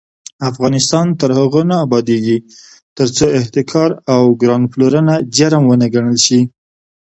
افغانستان تر هغو نه ابادیږي، ترڅو احتکار او ګران پلورنه جرم ونه ګڼل شي.